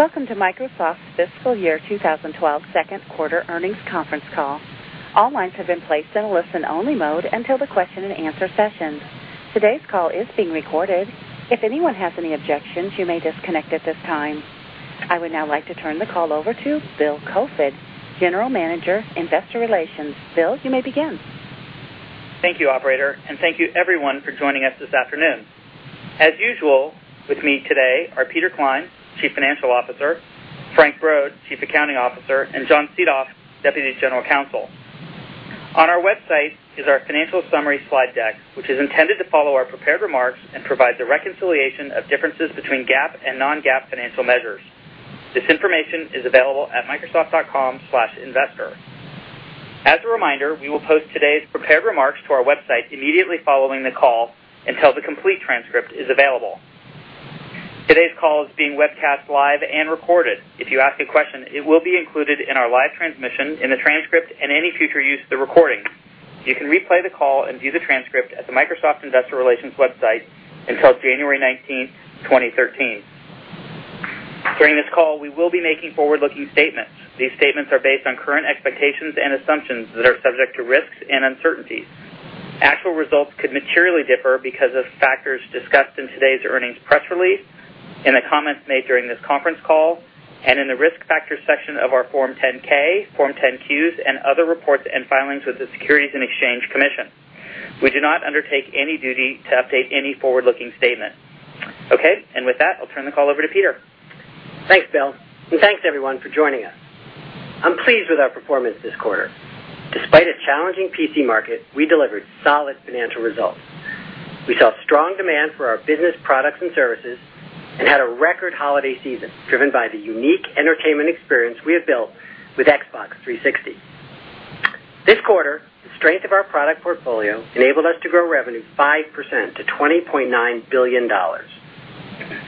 Welcome to Microsoft's Fiscal Year 2012 Second Quarter Earnings Conference Call. All lines have been placed in listen-only mode until the question and answer session. Today's call is being recorded. If anyone has any objections, you may disconnect at this time. I would now like to turn the call over to Bill Koefoed, General Manager, Investor Relations. Bill, you may begin. Thank you, operator, and thank you everyone for joining us this afternoon. As usual, with me today are Peter Klein, Chief Financial Officer, Frank Brod, Chief Accounting Officer, and John Seethoff, Deputy General Counsel. On our website is our financial summary slide deck, which is intended to follow our prepared remarks and provide the reconciliation of differences between GAAP and non-GAAP financial measures. This information is available at microsoft.com/investor. As a reminder, we will post today's prepared remarks to our website immediately following the call until the complete transcript is available. Today's call is being webcast live and recorded. If you ask a question, it will be included in our live transmission in the transcript and any future use of the recordings. You can replay the call and view the transcript at the Microsoft Investor Relations website until January 19th, 2013. During this call, we will be making forward-looking statements. These statements are based on current expectations and assumptions that are subject to risks and uncertainties. Actual results could materially differ because of factors discussed in today's earnings press release, in the comments made during this conference call, and in the risk factor section of our Form 10-K, Form 10-Qs, and other reports and filings with the Securities and Exchange Commission. We do not undertake any duty to update any forward-looking statement. Okay, with that, I'll turn the call over to Peter. Thanks, Bill, and thanks everyone for joining us. I'm pleased with our performance this quarter. Despite a challenging PC market, we delivered solid financial results. We saw strong demand for our business products and services and had a record holiday season driven by the unique entertainment experience we have built with Xbox 360. This quarter, the strength of our product portfolio enabled us to grow revenue 5% to $20.9 billion.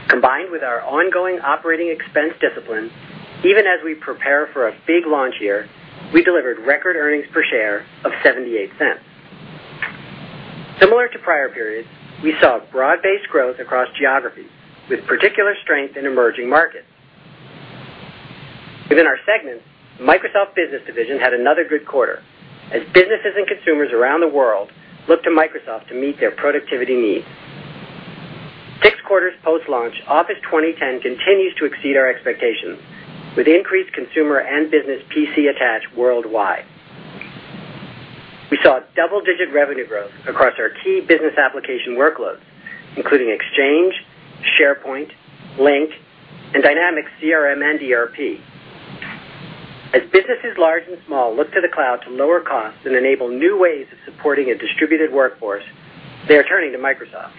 Combined with our ongoing operating expense discipline, even as we prepare for a big launch year, we delivered record earnings per share of $0.78. Similar to prior periods, we saw broad-based growth across geographies, with particular strength in emerging markets. Within our segments, Microsoft Business Division had another good quarter as businesses and consumers around the world look to Microsoft to meet their productivity needs. Next quarter's post-launch, Office 2010 continues to exceed our expectations with increased consumer and business PC attach worldwide. We saw double-digit revenue growth across our key business application workloads, including Exchange, SharePoint, Lync, and Dynamics CRM and ERP. As businesses large and small look to the cloud to lower costs and enable new ways of supporting a distributed workforce, they are turning to Microsoft.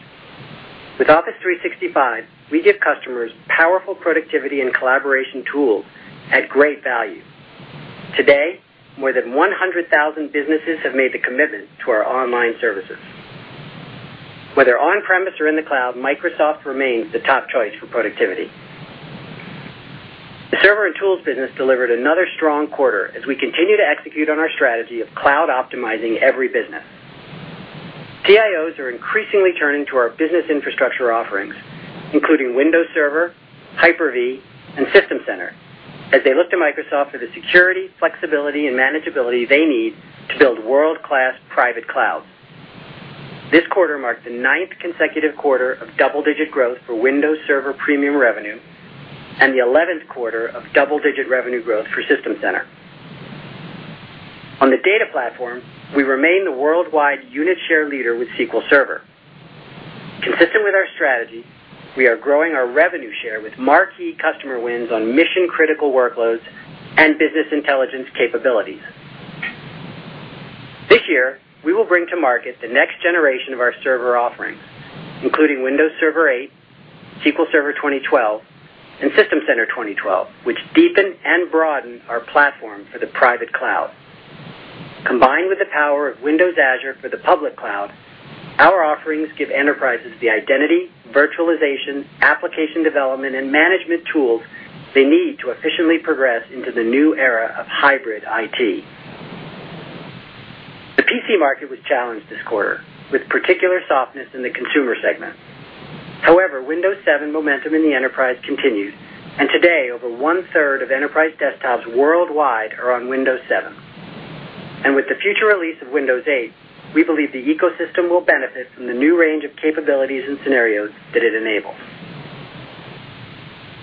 With Office 365, we give customers powerful productivity and collaboration tools at great value. Today, more than 100,000 businesses have made the commitment to our online services. Whether on-premise or in the cloud, Microsoft remains the top choice for productivity. The Server & Tools business delivered another strong quarter as we continue to execute on our strategy of cloud optimizing every business. CIOs are increasingly turning to our business infrastructure offerings, including Windows Server, Hyper-V, and System Center, as they look to Microsoft for the security, flexibility, and manageability they need to build world-class private clouds. This quarter marked the ninth consecutive quarter of double-digit growth for Windows Server premium revenue and the 11th quarter of double-digit revenue growth for System Center. On the data platform, we remain the worldwide unit share leader with SQL Server. Consistent with our strategy, we are growing our revenue share with marquee customer wins on mission-critical workloads and business intelligence capabilities. This year, we will bring to market the next generation of our server offerings, including Windows Server 8, SQL Server 2012, and System Center 2012, which deepen and broaden our platform for the private cloud. Combined with the power of Windows Azure for the public cloud, our offerings give enterprises the identity, virtualization, application development, and management tools they need to efficiently progress into the new era of hybrid IT. The PC market was challenged this quarter with particular softness in the consumer segment. However, Windows 7 momentum in the enterprise continues, and today, over one-third of enterprise desktops worldwide are on Windows 7. With the future release of Windows 8, we believe the ecosystem will benefit from the new range of capabilities and scenarios that it enables.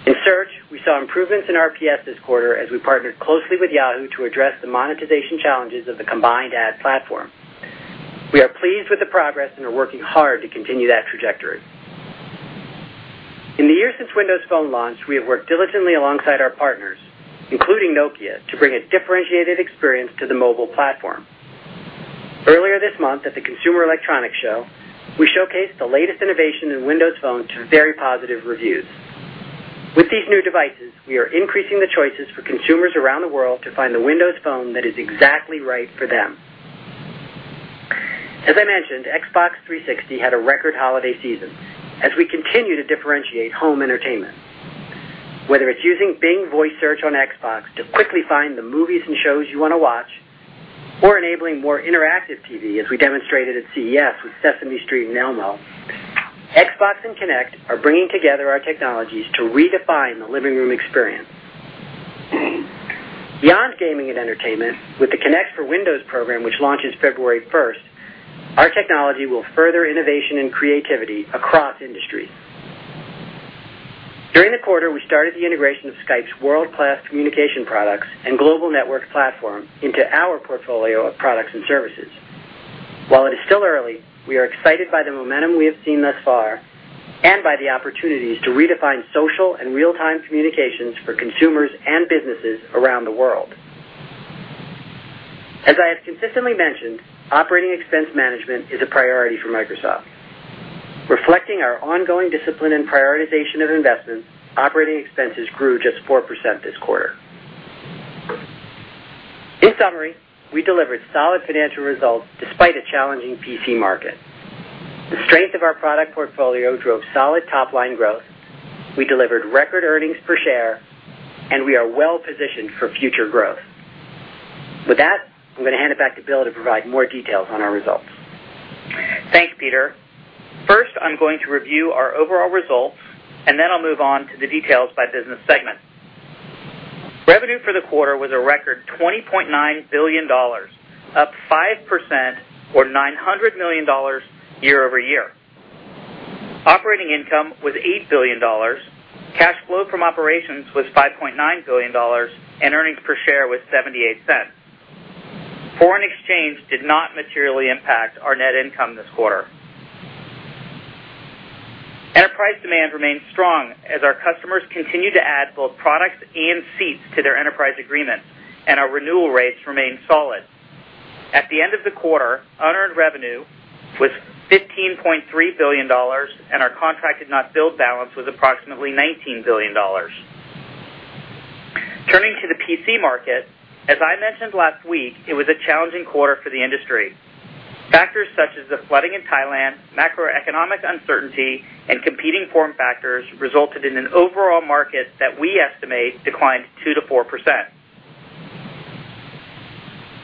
In search, we saw improvements in our revenue per search this quarter as we partnered closely with Yahoo to address the monetization challenges of the combined ad platform. We are pleased with the progress and are working hard to continue that trajectory. In the years since Windows Phone launch, we have worked diligently alongside our partners, including Nokia, to bring a differentiated experience to the mobile platform. Earlier this month at the Consumer Electronics Show, we showcased the latest innovation in Windows Phone to very positive reviews. With these new devices, we are increasing the choices for consumers around the world to find the Windows Phone that is exactly right for them. As I mentioned, Xbox 360 had a record holiday season as we continue to differentiate home entertainment. Whether it's using Bing Voice Search on Xbox to quickly find the movies and shows you want to watch, or enabling more interactive TV as we demonstrated at CES with Sesame Street and Elmo, Xbox and Kinect are bringing together our technologies to redefine the living room experience. Beyond gaming and entertainment, with the Kinect for Windows program, which launches February 1, our technology will further innovation and creativity across industries. During the quarter, we started the integration of Skype's world-class communication products and global network platform into our portfolio of products and services. While it is still early, we are excited by the momentum we have seen thus far and by the opportunities to redefine social and real-time communications for consumers and businesses around the world. As I have consistently mentioned, operating expense management is a priority for Microsoft. Reflecting our ongoing discipline and prioritization of investment, operating expenses grew just 4% this quarter. In summary, we delivered solid financial results despite a challenging PC market. The strength of our product portfolio drove solid top-line growth. We delivered record earnings per share, and we are well-positioned for future growth. With that, I'm going to hand it back to Bill to provide more details on our results. Thanks, Peter. First, I'm going to review our overall results, and then I'll move on to the details by business segment. Revenue for the quarter was a record $20.9 billion, up 5% or $900 million year-over-year. Operating income was $8 billion. Cash flow from operations was $5.9 billion, and earnings per share was $0.78. Foreign exchange did not materially impact our net income this quarter. Enterprise demand remains strong as our customers continue to add both products and seats to their enterprise agreement, and our renewal rates remain solid. At the end of the quarter, unearned revenue was $15.3 billion, and our contracted not billed balance was approximately $19 billion. Turning to the PC market, as I mentioned last week, it was a challenging quarter for the industry. Factors such as the flooding in Thailand, macroeconomic uncertainty, and competing foreign factors resulted in an overall market that we estimate declined 2%-4%.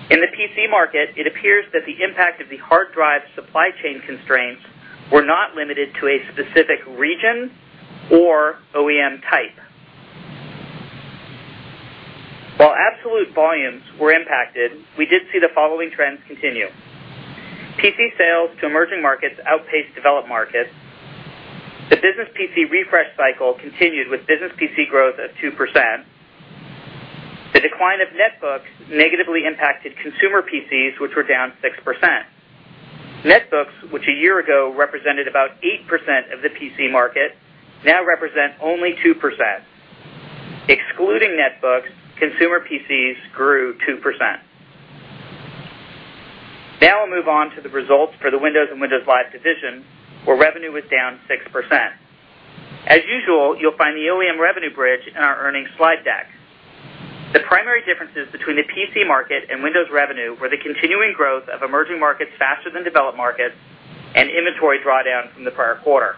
In the PC market, it appears that the impact of the hard disk drive shortages were not limited to a specific region or OEM type. While absolute volumes were impacted, we did see the following trends continue. PC sales to emerging markets outpaced developed markets. The business PC refresh cycle continued with business PC growth of 2%. The decline of netbooks negatively impacted consumer PCs, which were down 6%. Netbooks, which a year ago represented about 8% of the PC market, now represent only 2%. Excluding netbooks, consumer PCs grew 2%. Now I'll move on to the results for the Windows and Windows Live division, where revenue was down 6%. As usual, you'll find the OEM revenue bridge in our earnings slide deck. The primary differences between the PC market and Windows revenue were the continuing growth of emerging markets faster than developed markets and inventory drawdown in the prior quarter.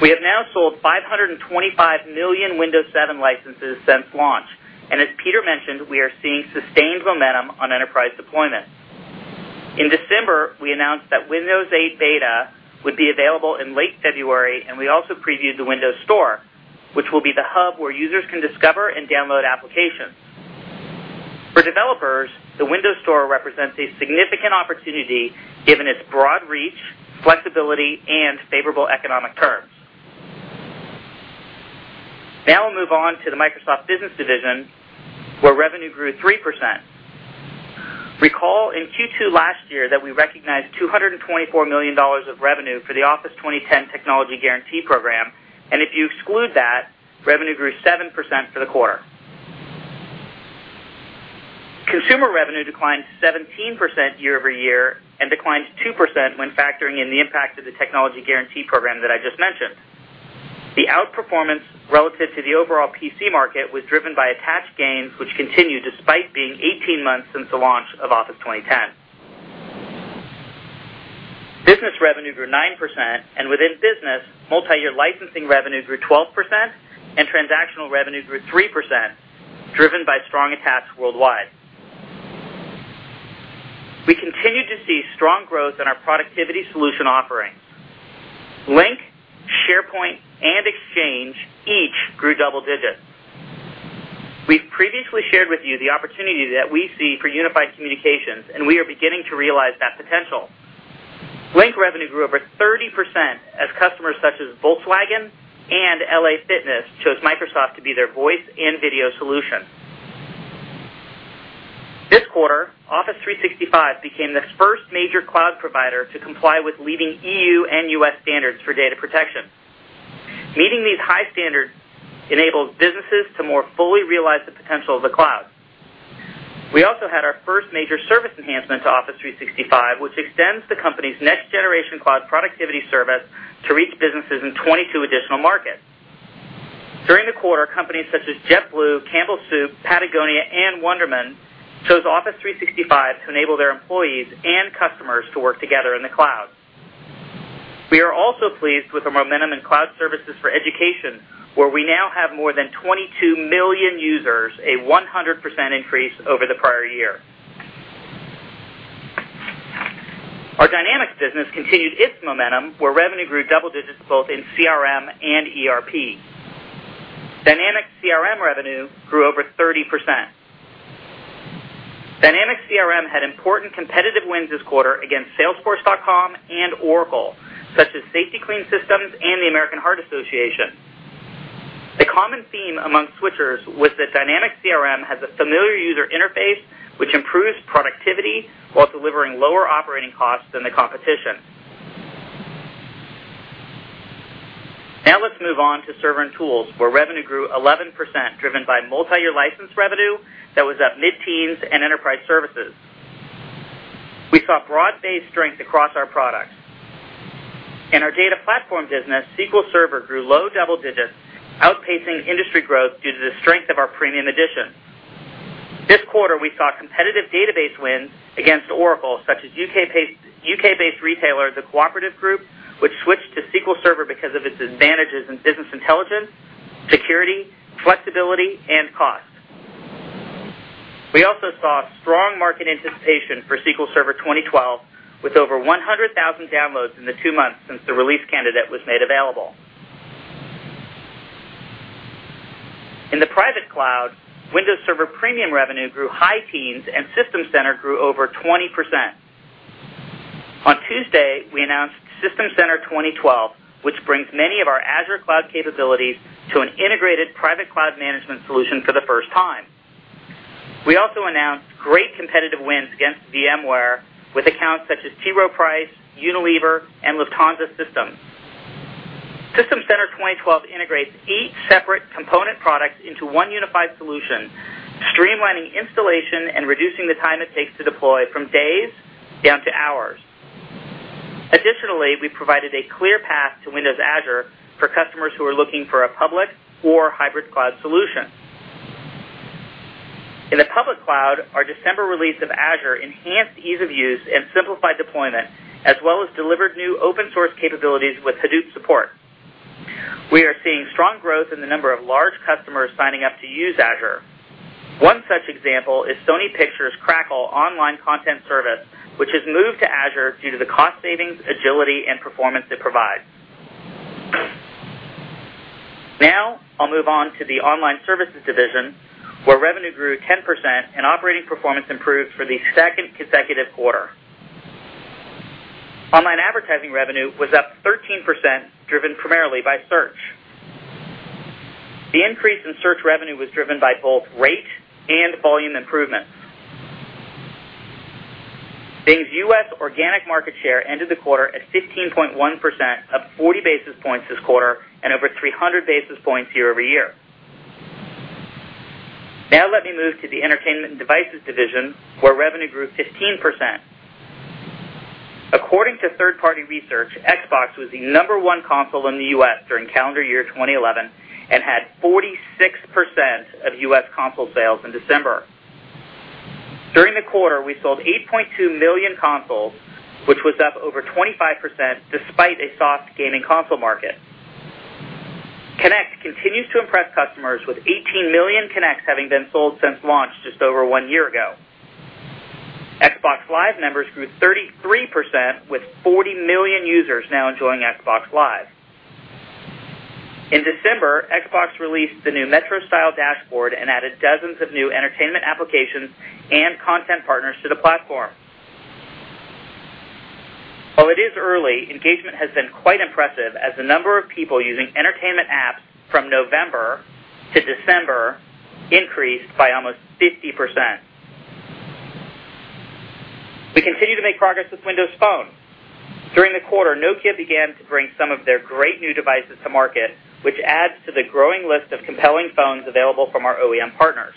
We have now sold 525 million Windows 7 licenses since launch, and as Peter mentioned, we are seeing sustained momentum on enterprise deployment. In December, we announced that Windows 8 Beta would be available in late February, and we also previewed the Windows Store, which will be the hub where users can discover and download applications. For developers, the Windows Store represents a significant opportunity given its broad reach, flexibility, and favorable economic terms. Now I'll move on to the Microsoft Business Division, where revenue grew 3%. Recall in Q2 last year that we recognized $224 million of revenue for the Office 2010 Technology Guarantee Program, and if you exclude that, revenue grew 7% for the quarter. Consumer revenue declined 17% year-over-year and declined 2% when factoring in the impact of the Technology Guarantee Program that I just mentioned. The outperformance relative to the overall PC market was driven by attached gains, which continued despite being 18 months since the launch of Office 2010. Business revenue grew 9%, and within business, multi-year licensing revenue grew 12% and transactional revenue grew 3%, driven by strong attached gains worldwide. We continued to see strong growth in our productivity solution offerings. Lync, SharePoint, and Exchange each grew double digit. We've previously shared with you the opportunity that we see for unified communications, and we are beginning to realize that potential. Lync revenue grew over 30% as customers such as Volkswagen and LA Fitness chose Microsoft to be their voice and video solution. This quarter, Office 365 became the first major cloud provider to comply with leading E.U. and U.S. standards for data protection. Meeting these high standards enabled businesses to more fully realize the potential of the cloud. We also had our first major service enhancement to Office 365, which extends the company's next-generation cloud productivity service to reach businesses in 22 additional markets. During the quarter, companies such as JetBlue, Campbell Soup, Patagonia, and Wunderman chose Office 365 to enable their employees and customers to work together in the cloud. We are also pleased with the momentum in cloud services for education, where we now have more than 22 million users, a 100% increase over the prior year. Our Dynamics business continued its momentum, where revenue grew double digits both in CRM and ERP. Dynamics CRM revenue grew over 30%. Dynamics CRM had important competitive wins this quarter against Salesforce.com and Oracle, such as Safety-Kleen Systems and the American Heart Association. The common theme among switchers was that Dynamics CRM has a familiar user interface, which improves productivity while delivering lower operating costs than the competition. Now let's move on to server and tools, where revenue grew 11%, driven by multi-year license revenue that was at mid-teens and enterprise services. We saw broad-based strength across our products. In our data platform business, SQL Server grew low double-digits, outpacing industry growth due to the strength of our premium edition. This quarter, we saw competitive database wins against Oracle, such as U.K.-based retailer The Cooperative Group, which switched to SQL Server because of its advantages in business intelligence, security, flexibility, and cost. We also saw strong market anticipation for SQL Server 2012, with over 100,000 downloads in the two months since the release candidate was made available. In the private cloud, Windows Server premium revenue grew high teens, and System Center grew over 20%. On Tuesday, we announced System Center 2012, which brings many of our Azure cloud capabilities to an integrated private cloud management solution for the first time. We also announced great competitive wins against VMware with accounts such as T. Rowe Price, Unilever, and Lufthansa Systems. System Center 2012 integrates each separate component product into one unified solution, streamlining installation and reducing the time it takes to deploy from days down to hours. Additionally, we provided a clear path to Windows Azure for customers who are looking for a public or hybrid cloud solution. In the public cloud, our December release of Azure enhanced ease of use and simplified deployment, as well as delivered new open-source capabilities with Hadoop support. We are seeing strong growth in the number of large customers signing up to use Azure. One such example is Sony Pictures' Crackle Online Content Service, which has moved to Azure due to the cost savings, agility, and performance it provides. Now I'll move on to the Online Services Division, where revenue grew 10% and operating performance improved for the second consecutive quarter. Online advertising revenue was up 13%, driven primarily by search. The increase in search revenue was driven by both rate and volume improvements. Bing's U.S. organic market share ended the quarter at 15.1%, up 40 basis points this quarter and over 300 basis points year-over-year. Now let me move to the Entertainment and Devices Division, where revenue grew 15%. According to third-party research, Xbox was the number one console in the U.S. during calendar year 2011 and had 46% of U.S. console sales in December. During the quarter, we sold 8.2 million consoles, which was up over 25% despite a soft gain in console market. Kinect continues to impress customers with 18 million Kinects having been sold since launch just over one year ago. Xbox Live members grew 33%, with 40 million users now enjoying Xbox Live. In December, Xbox released the new Metro Style dashboard and added dozens of new entertainment applications and content partners to the platform. While it is early, engagement has been quite impressive as the number of people using entertainment apps from November to December increased by almost 50%. We continue to make progress with Windows Phone. During the quarter, Nokia began to bring some of their great new devices to market, which adds to the growing list of compelling phones available from our OEM partners.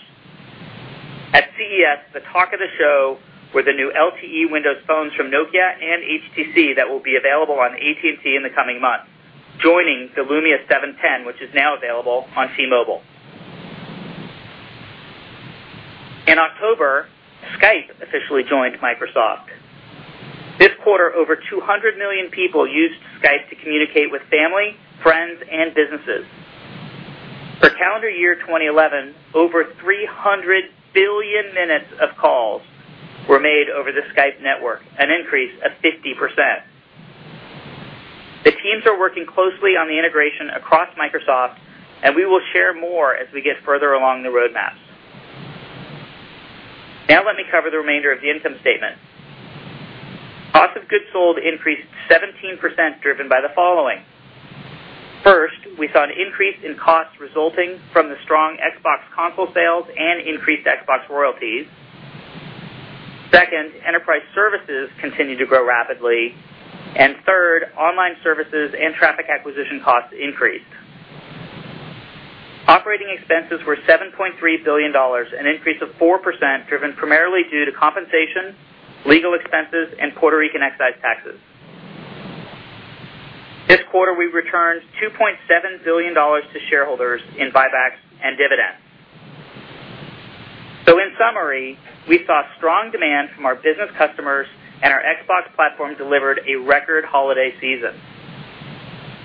At CES, the talk of the show were the new LTE Windows Phones from Nokia and HTC that will be available on AT&T in the coming month, joining the Lumia 710, which is now available on T-Mobile. In October, Skype officially joined Microsoft. This quarter, over 200 million people used Skype to communicate with family, friends, and businesses. For calendar year 2011, over 300 billion minutes of calls were made over the Skype network, an increase of 50%. The teams are working closely on the integration across Microsoft, and we will share more as we get further along the roadmaps. Now let me cover the remainder of the income statement. Cost of goods sold increased 17%, driven by the following. First, we saw an increase in costs resulting from the strong Xbox console sales and increased Xbox royalties. Second, enterprise services continued to grow rapidly, and third, online services and traffic acquisition costs increased. Operating expenses were $7.3 billion, an increase of 4%, driven primarily due to compensation, legal expenses, and Puerto Rican excise taxes. This quarter, we returned $2.7 billion to shareholders in buybacks and dividends. In summary, we saw strong demand from our business customers, and our Xbox platform delivered a record holiday season.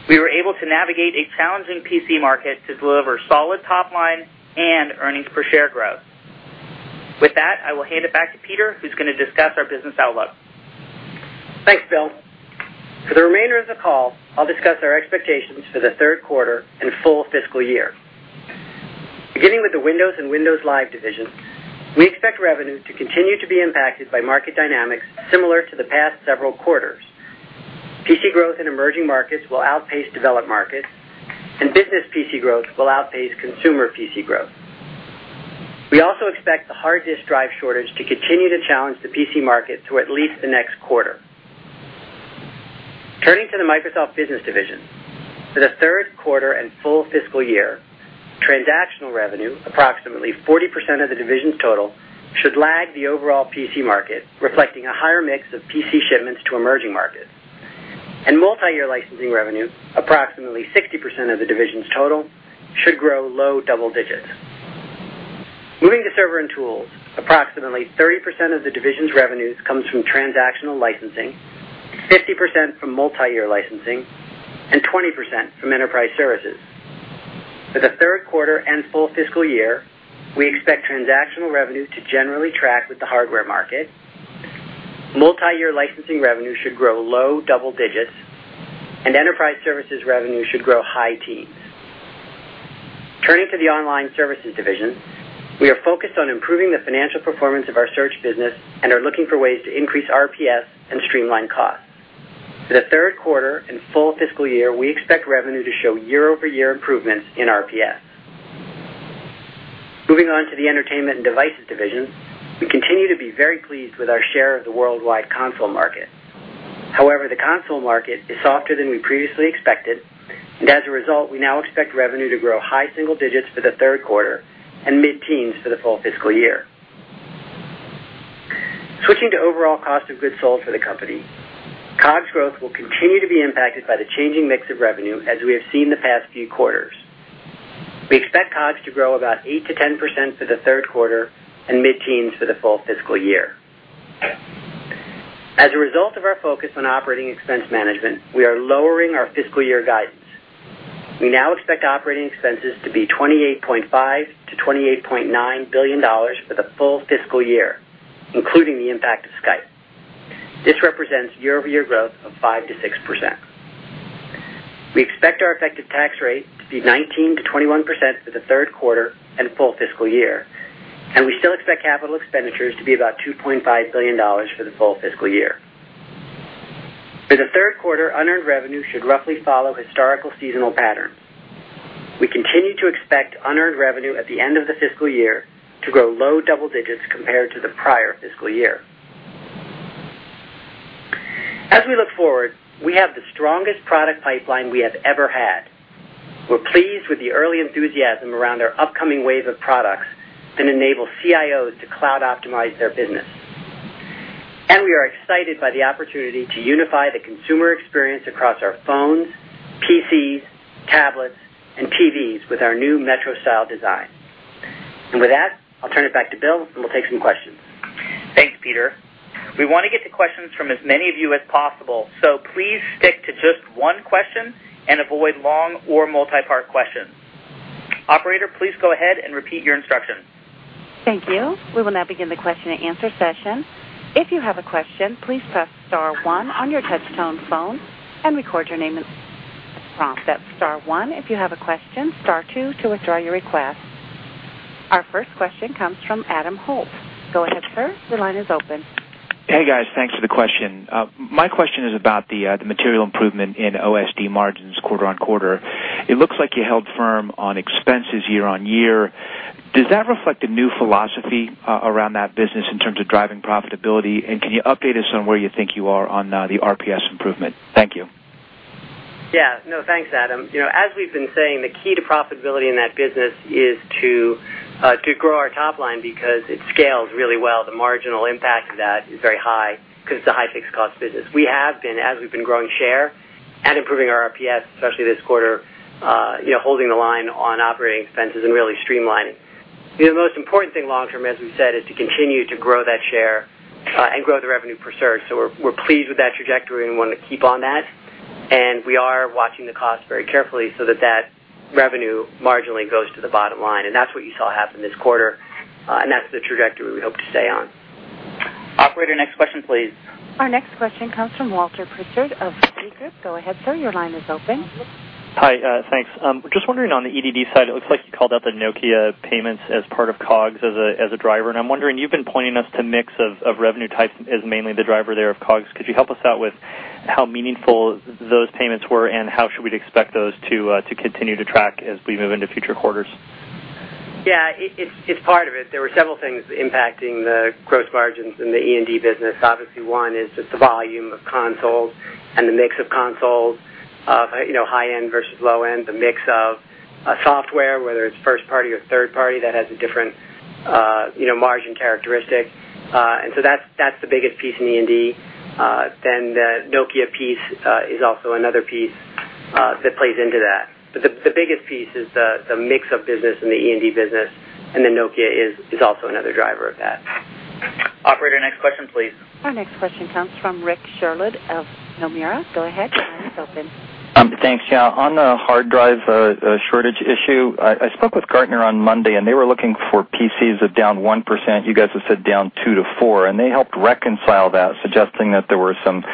We were able to navigate a challenging PC market to deliver solid top-line and earnings per share growth. With that, I will hand it back to Peter, who's going to discuss our business outlook. Thanks, Bill. For the remainder of the call, I'll discuss our expectations for the third quarter and full fiscal year. Beginning with the Windows and Windows Live division, we expect revenue to continue to be impacted by market dynamics similar to the past several quarters. PC growth in emerging markets will outpace developed markets, and business PC growth will outpace consumer PC growth. We also expect the hard disk drive shortage to continue to challenge the PC market through at least the next quarter. Turning to the Microsoft Business Division, for the third quarter and full fiscal year, transactional revenue, approximately 40% of the division's total, should lag the overall PC market, reflecting a higher mix of PC shipments to emerging markets. Multi-year licensing revenue, approximately 60% of the division's total, should grow low double digits. Moving to Server & Tools, approximately 30% of the division's revenues comes from transactional licensing, 50% from multi-year licensing, and 20% from enterprise services. For the third quarter and full fiscal year, we expect transactional revenue to generally track with the hardware market. Multi-year licensing revenue should grow low double-digits, and enterprise services revenue should grow high teens. Turning to the Online Services Division, we are focused on improving the financial performance of our search business and are looking for ways to increase RPS and streamline costs. For the third quarter and full fiscal year, we expect revenue to show year-over-year improvements in RPS. Moving on to the Entertainment and Devices Division, we continue to be very pleased with our share of the worldwide console market. However, the console market is softer than we previously expected, and as a result, we now expect revenue to grow high single digits for the third quarter and mid-teens for the full fiscal year. Switching to overall cost of goods sold for the company, COGS growth will continue to be impacted by the changing mix of revenue as we have seen the past few quarters. We expect COGS to grow about 8%-10% for the third quarter and mid-teens for the full fiscal year. As a result of our focus on operating expense management, we are lowering our fiscal year guidance. We now expect operating expenses to be $28.5 billion-$28.9 billion for the full fiscal year, including the impact of Skype. This represents year-over-year growth of 5%-6%. We expect our effective tax rate to be 19%-21% for the third quarter and full fiscal year, and we still expect capital expenditures to be about $2.5 billion for the full fiscal year. For the third quarter, unearned revenue should roughly follow historical seasonal patterns. We continue to expect unearned revenue at the end of the fiscal year to grow low double digits compared to the prior fiscal year. As we look forward, we have the strongest product pipeline we have ever had. We're pleased with the early enthusiasm around our upcoming wave of products that enable CIOs to cloud-optimize their business. We are excited by the opportunity to unify the consumer experience across our phones, PCs, tablets, and TVs with our new Metro Style design. With that, I'll turn it back to Bill, and we'll take some questions. Thanks, Peter. We want to get the questions from as many of you as possible, so please stick to just one question and avoid long or multi-part questions. Operator, please go ahead and repeat your instruction. Thank you. We will now begin the question and answer session. If you have a question, please press star one on your touch-tone phone and record your name and address. Press star one if you have a question, star two to withdraw your request. Our first question comes from Adam Holt. Go ahead, sir. The line is open. Hey, guys. Thanks for the question. My question is about the material improvement in OSD margins quarter-on-quarter. It looks like you held firm on expenses year on year. Does that reflect a new philosophy around that business in terms of driving profitability? Can you update us on where you think you are on the RPS improvement? Thank you. No, thanks, Adam. As we've been saying, the key to profitability in that business is to grow our top line because it scales really well. The marginal impact of that is very high because it's a high-fixed cost business. We have been, as we've been growing share and improving our RPS, especially this quarter, holding the line on operating expenses and really streamlining. The most important thing long-term, as we've said, is to continue to grow that share and grow the revenue per search. We're pleased with that trajectory and want to keep on that. We are watching the cost very carefully so that that revenue marginally goes to the bottom line, and that's what you saw happen this quarter, and that's the trajectory we hope to stay on. Operator, next question, please. Our next question comes from Walter Pritchard of Citi. Go ahead, sir. Your line is open. Hi. Thanks. Just wondering on the EDD side, it looks like you called out the Nokia payments as part of COGS as a driver. I'm wondering, you've been pointing us to a mix of revenue types as mainly the driver there of COGS. Could you help us out with how meaningful those payments were and how should we expect those to continue to track as we move into future quarters? It's part of it. There were several things impacting the gross margins in the END business. Obviously, one is just the volume of console and the mix of console of high-end versus low-end, the mix of software, whether it's first-party or third-party, that has a different margin characteristic. That's the biggest piece in END. The Nokia piece is also another piece that plays into that. The biggest piece is the mix of business in the END business, and the Nokia is also another driver of that. Operator, next question, please. Our next question comes from Rick Sherlund of Nomura. Go ahead. The line is open. Thanks. On the hard disk drive shortage issue, I spoke with Gartner on Monday, and they were looking for PCs down 1%. You guys have said down 2%-4%, and they helped reconcile that, suggesting that there were some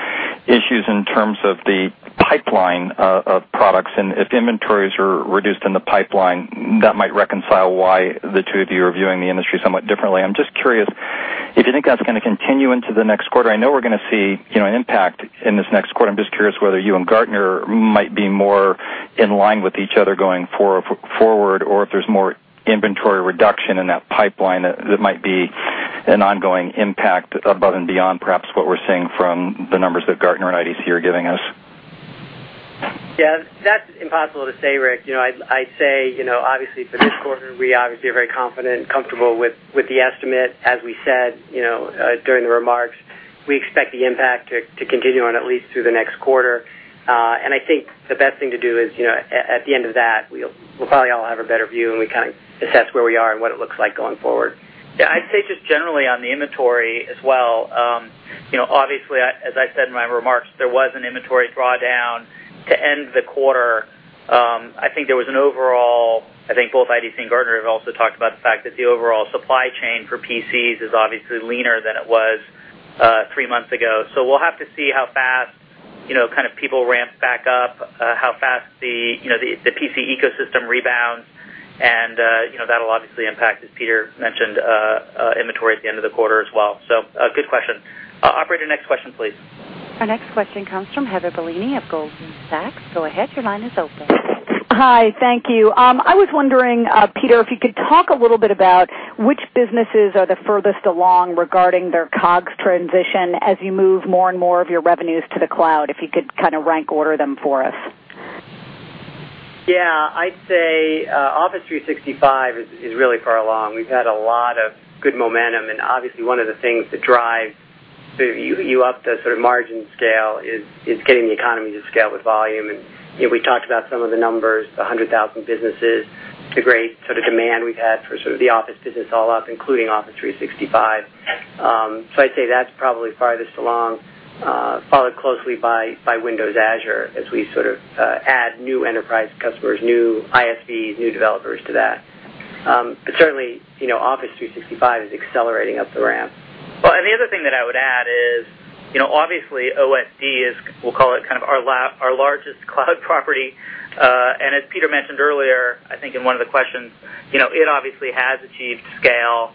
issues in terms of the pipeline of products. If inventories are reduced in the pipeline, that might reconcile why the two of you are viewing the industry somewhat differently. I'm just curious if you think that's going to continue into the next quarter. I know we're going to see an impact in this next quarter. I'm just curious whether you and Gartner might be more in line with each other going forward or if there's more inventory reduction in that pipeline that might be an ongoing impact above and beyond perhaps what we're seeing from the numbers that Gartner and IDC are giving us. Yeah. That's impossible to say, Rick. I'd say, obviously, for this quarter, we obviously are very confident and comfortable with the estimate. As we said during the remarks, we expect the impact to continue on at least through the next quarter. I think the best thing to do is at the end of that, we'll probably all have a better view and we can assess where we are and what it looks like going forward. I'd say just generally on the inventory as well, obviously, as I said in my remarks, there was an inventory drawdown to end the quarter. I think there was an overall, I think both IDC and Gartner have also talked about the fact that the overall supply chain for PCs is obviously leaner than it was three months ago. We'll have to see how fast people ramp back up, how fast the PC ecosystem rebounds, and that will obviously impact, as Peter mentioned, inventory at the end of the quarter as well. Good question. Operator, next question, please. Our next question comes from Heather Bellini of Goldman Sachs. Go ahead, your line is open. Hi. Thank you. I was wondering, Peter, if you could talk a little bit about which businesses are the furthest along regarding their COGS transition as you move more and more of your revenues to the Cloud, if you could rank order them for us. Yeah. I'd say Office 365 is really far along. We've had a lot of good momentum, and obviously, one of the things that drives you up the margin scale is getting the economy to scale with volume. We talked about some of the numbers, the 100,000 businesses, the great demand we've had for the Office business all up, including Office 365. I'd say that's probably farthest along, followed closely by Windows Azure as we add new enterprise customers, new ISVs, new developers to that. Certainly, Office 365 is accelerating up the ramp. The other thing that I would add is, obviously, OFD is, we'll call it, our largest cloud property. As Peter mentioned earlier, I think in one of the questions, it obviously has achieved scale,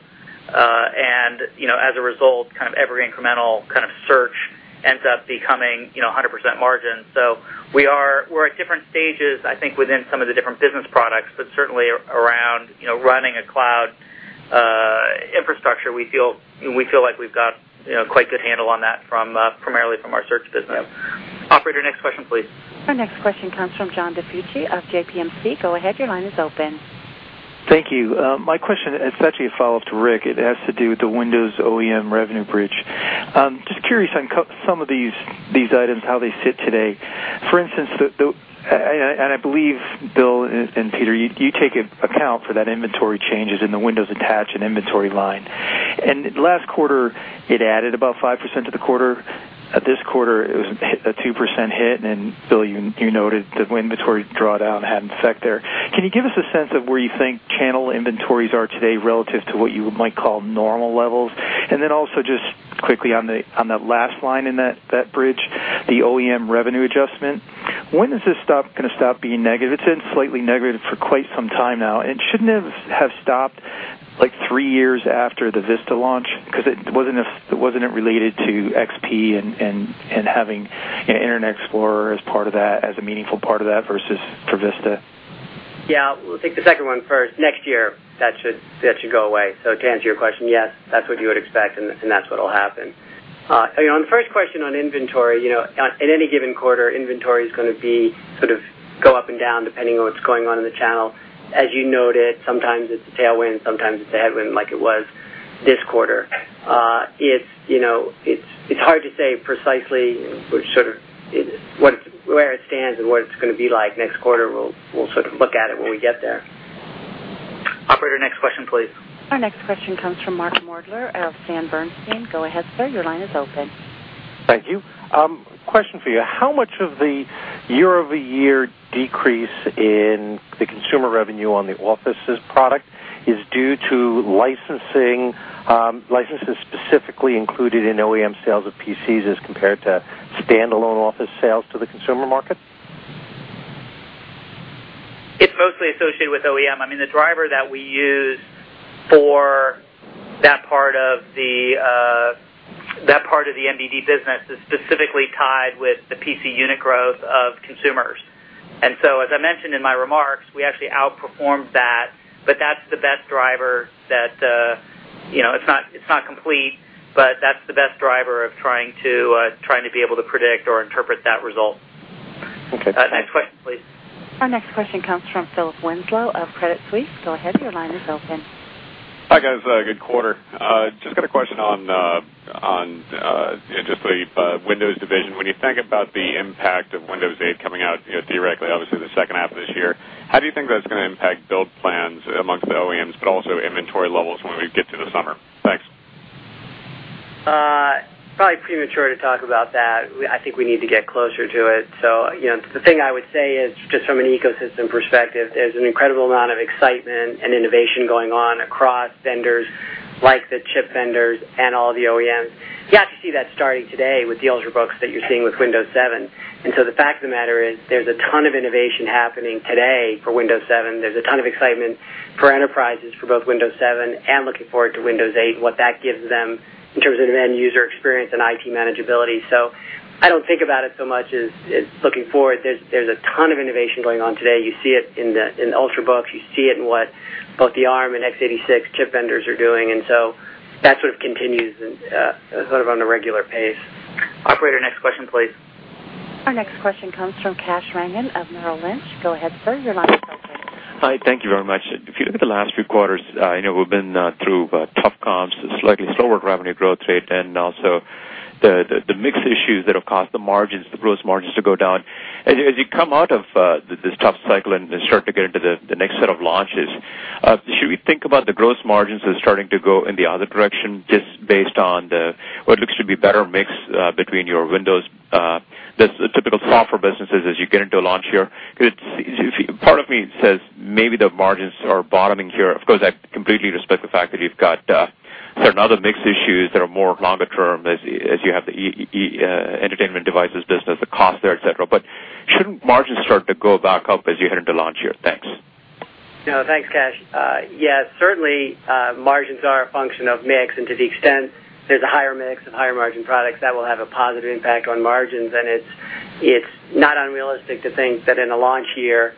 and as a result, every incremental search ends up becoming 100% margins. We are at different stages, I think, within some of the different business products, but certainly around running a cloud infrastructure, we feel like we've got quite a good handle on that primarily from our search business. Operator, next question, please. Our next question comes from John DiFucci of JP & C. Go ahead. Your line is open. Thank you. My question is actually a follow-up to Rick. It has to do with the Windows OEM revenue bridge. Just curious on some of these items, how they sit today. For instance, I believe, Bill and Peter, you take account for that inventory changes in the Windows Attach and Inventory line. Last quarter, it added about 5% to the quarter. This quarter, it was a 2% hit, and you noted the inventory drawdown had an effect there. Can you give us a sense of where you think channel inventories are today relative to what you might call normal levels? Also, just quickly on that last line in that bridge, the OEM revenue adjustment, when is this going to stop being negative? It's been slightly negative for quite some time now. Shouldn't it have stopped like three years after the Vista launch? Wasn't it related to XP and having Internet Explorer as part of that, as a meaningful part of that versus for Vista? I'll take the second one first. Next year, that should go away. To answer your question, yes, that's what you would expect, and that's what will happen. On the first question on inventory, in any given quarter, inventory is going to go up and down depending on what's going on in the channel. As you noted, sometimes it's a tailwind, sometimes it's a headwind like it was this quarter. It's hard to say precisely where it stands and what it's going to be like next quarter. We'll look at it when we get there. Operator, next question, please. Our next question comes from Mark Moerdler of Sanford Bernstein. Go ahead, sir. Your line is open. Thank you. Question for you. How much of the year-over-year decrease in the consumer revenue on the Office product is due to licensing specifically included in OEM sales of PCs as compared to standalone Office sales to the consumer market? It's mostly associated with Windows OEM. The driver that we use for that part of the MBD business is specifically tied with the PC unit growth of consumers. As I mentioned in my remarks, we actually outperformed that, but that's the best driver. It's not complete, but that's the best driver of trying to be able to predict or interpret that result. Next question, please. Our next question comes from Philip Winslow of Credit Suisse. Go ahead. Your line is open. Hi, guys. Good quarter. Just got a question on just the Windows division. When you think about the impact of Windows 8 coming out theoretically, obviously the second half of this year, how do you think that's going to impact build plans amongst the OEMs, but also inventory levels when we get to the summer? Thanks. Probably premature to talk about that. I think we need to get closer to it. The thing I would say is just from an ecosystem perspective, there's an incredible amount of excitement and innovation going on across vendors like the chip vendors and all the OEMs. You have to see that starting today with the Ultrabook that you're seeing with Windows 7. The fact of the matter is there's a ton of innovation happening today for Windows 7. There's a ton of excitement for enterprises for both Windows 7 and looking forward to Windows 8 and what that gives them in terms of an end-user experience and IT manageability. I don't think about it so much as looking forward. There's a ton of innovation going on today. You see it in the Ultrabooks. You see it in what both the ARM and x86 chip vendors are doing, and that continues on a regular pace. Operator, next question, please. Our next question comes from Kash Rangan of Merrill Lynch. Go ahead, sir. Your line is open. Hi. Thank you very much. If you look at the last three quarters, we've been through tough comps, slightly slower revenue growth rate, and also the mix issues that have caused the gross margins to go down. As you come out of this tough cycle and start to get into the next set of launches, should we think about the gross margins as starting to go in the other direction just based on what looks to be a better mix between your Windows? That's a typical thought for businesses as you get into a launch year. Part of me says maybe the margins are bottoming here. Of course, I completely respect the fact that you've got certain other mix issues that are more longer term as you have the entertainment devices business, the cost there, etc. Shouldn't margins start to go back up as you head into launch year? Thanks. Yeah. Thanks, Kash. Yeah, certainly margins are a function of mix, and to the extent there's a higher mix of higher margin products, that will have a positive impact on margins. It's not unrealistic to think that in a launch year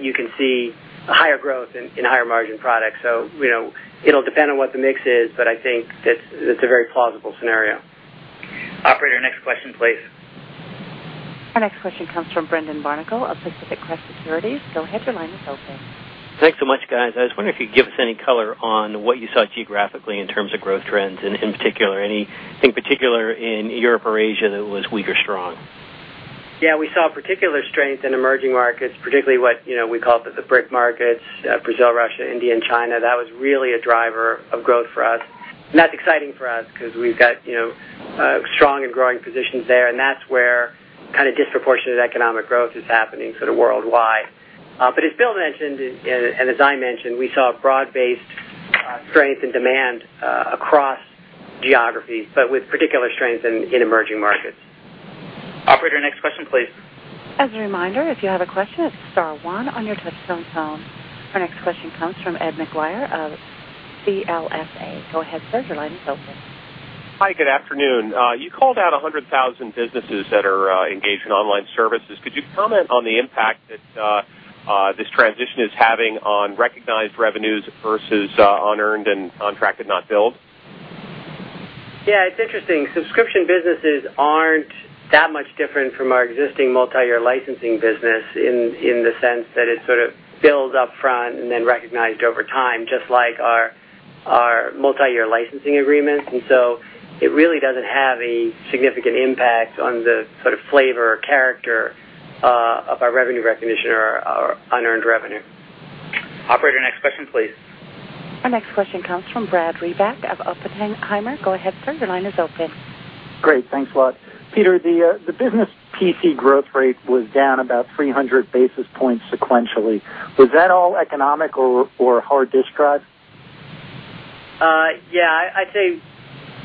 you can see higher growth in higher margin products. It'll depend on what the mix is, but I think that's a very plausible scenario. Operator, next question, please. Our next question comes from Brendan Barnicle of Pacific Crest Securities. Go ahead. Your line is open. Thanks so much, guys. I was wondering if you could give us any color on what you saw geographically in terms of growth trends, and in particular anything particular in Europe or Asia that was weak or strong. Yeah. We saw particular strength in emerging markets, particularly what we call the BRIC markets: Brazil, Russia, India, and China. That was really a driver of growth for us. That's exciting for us because we've got strong and growing positions there, and that's where kind of disproportionate economic growth is happening worldwide. As Bill mentioned and as I mentioned, we saw broad-based strength and demand across geography, with particular strength in emerging markets. Operator, next question, please. As a reminder, if you have a question, it's star one on your touch-tone phone. Our next question comes from Ed Maguire of CLSA. Go ahead, sir. Your line is open. Hi. Good afternoon. You called out 100,000 businesses that are engaged in online services. Could you comment on the impact that this transition is having on recognized revenues versus unearned and contracted not billed? It's interesting. Subscription businesses aren't that much different from our existing multi-year licensing business in the sense that it's filled up front and then recognized over time, just like our multi-year licensing agreements. It really doesn't have a significant impact on the flavor or character of our revenue recognition or unearned revenue. Operator, next question, please. Our next question comes from Brad Reback of Oppenheimer. Go ahead, sir. Your line is open. Great. Thanks a lot. Peter, the business PC growth rate was down about 300 basis points sequentially. Was that all economic or hard disk drive? Yeah.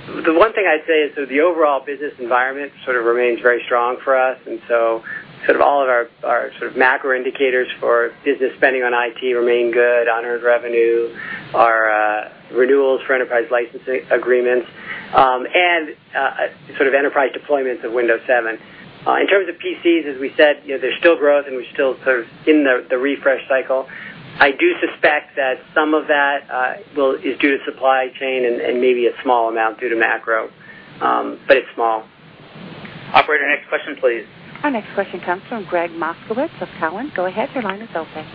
The one thing I'd say is the overall business environment remains very strong for us. All of our macro indicators for business spending on IT remain good: unearned revenue, our renewals for enterprise licensing agreements, and enterprise deployments of Windows 7. In terms of PCs, as we said, there's still growth and we're still in the refresh cycle. I do suspect that some of that is due to supply chain and maybe a small amount due to macro, but it's small. Operator, next question, please. Our next question comes from Gregg Moskowitz of Cowen. Go ahead. Your line is open.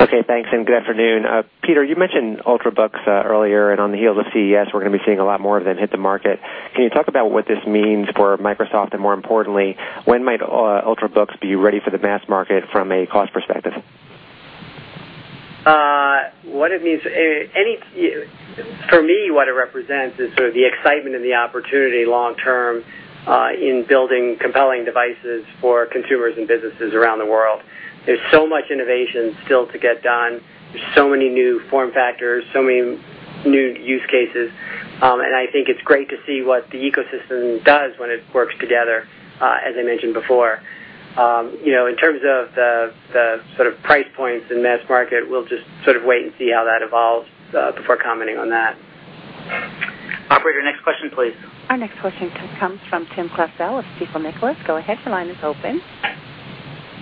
Okay. Thanks, and good afternoon. Peter, you mentioned Ultrabooks earlier, and on the heels of CES, we're going to be seeing a lot more of them hit the market. Can you talk about what this means for Microsoft, and more importantly, when might Ultrabooks be ready for the mass market from a cost perspective? For me, what it represents is the excitement and the opportunity long-term in building compelling devices for consumers and businesses around the world. There's so much innovation still to get done. There are so many new form factors, so many new use cases, and I think it's great to see what the ecosystem does when it works together, as I mentioned before. In terms of the price points and mass market, we'll just wait and see how that evolves before commenting on that. Operator, next question, please. Our next question comes from Tim Klasell of Stifel Nicolaus. Go ahead. Your line is open.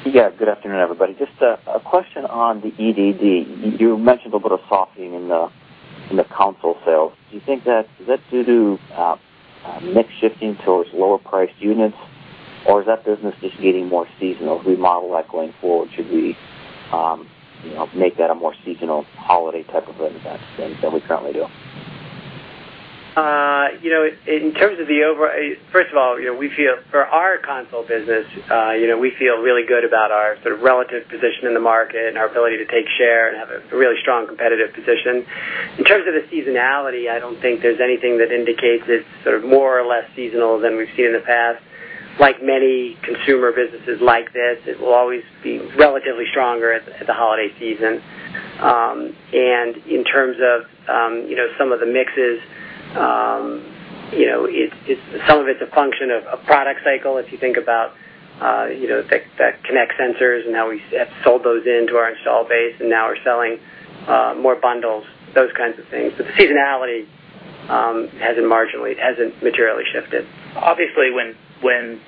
Good afternoon, everybody. Just a question on the EDD. You mentioned a little bit of softening in the console sale. Do you think that is due to mix shifting towards lower priced units, or is that business just getting more seasonal? Do we model that going forward? Should we make that a more seasonal holiday type of event than we currently do? In terms of the overall, first of all, we feel for our console business, we feel really good about our relative position in the market and our ability to take share and have a really strong competitive position. In terms of the seasonality, I don't think there's anything that indicates it's more or less seasonal than we've seen in the past. Like many consumer businesses like this, it will always be relatively stronger at the holiday season. In terms of some of the mixes, some of it's a function of product cycle. If you think about the Kinect sensors and how we have sold those into our install base and now are selling more bundles, those kinds of things, the seasonality hasn't materially shifted. Obviously, when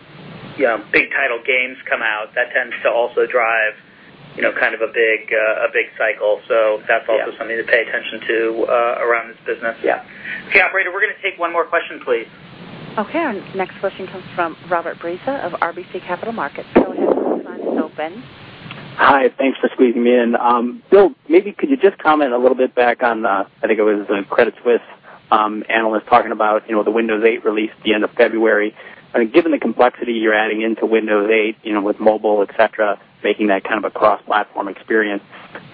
big title games come out, that tends to also drive a big cycle. That's also something to pay attention to around this business. Yeah. Okay. Operator, we're going to take one more question, please. Okay. Our next question comes from Robert Breza of RBC Capital Markets. Go ahead. Your line is open. Hi. Thanks for squeezing me in. Bill, maybe could you just comment a little bit back on, I think it was the Credit Suisse analyst talking about the Windows 8 release at the end of February? Given the complexity you're adding into Windows 8 with mobile, etc., making that kind of a cross-platform experience,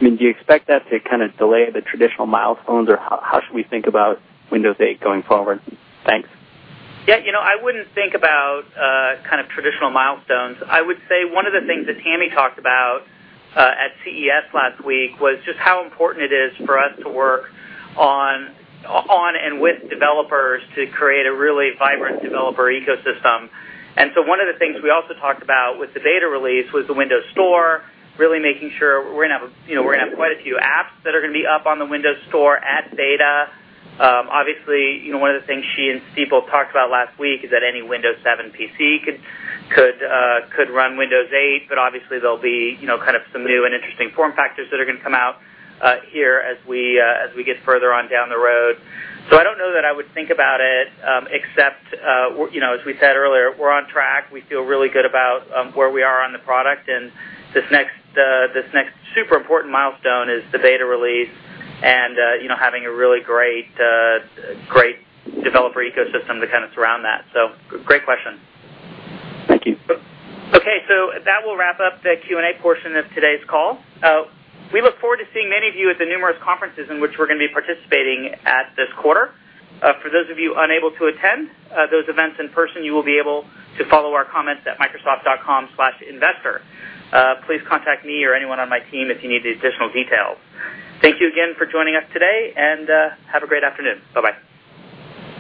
do you expect that to delay the traditional milestones, or how should we think about Windows 8 going forward? Thanks. Yeah. I wouldn't think about kind of traditional milestones. I would say one of the things that Tami talked about at CES last week was just how important it is for us to work on and with developers to create a really vibrant developer ecosystem. One of the things we also talked about with the beta release was the Windows Store, really making sure we're going to have quite a few apps that are going to be up on the Windows Store at beta. Obviously, one of the things she and Tami talked about last week is that any Windows 7 PC could run Windows 8, but obviously, there'll be some new and interesting form factors that are going to come out here as we get further on down the road. I don't know that I would think about it except, as we said earlier, we're on track. We feel really good about where we are on the product, and this next super important milestone is the beta release and having a really great developer ecosystem to kind of surround that. Great question. Thank you. Okay. That will wrap up the Q&A portion of today's call. We look forward to seeing many of you at the numerous conferences in which we're going to be participating this quarter. For those of you unable to attend those events in person, you will be able to follow our comments at microsoft.com/investor. Please contact me or anyone on my team if you need additional details. Thank you again for joining us today, and have a great afternoon. Bye-bye.